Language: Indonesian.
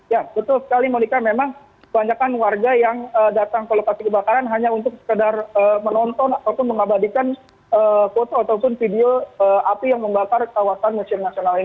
ya betul sekali monika memang kebanyakan warga yang datang ke lokasi kebakaran hanya untuk sekedar menonton ataupun mengabadikan foto ataupun video api yang membakar kawasan museum nasional ini